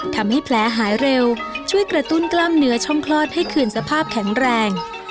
ทำให้แผลหายเร็วช่วยกระตุ้นกล้ามเนื้อช่องคลอดให้คืนสภาพแข็งแรง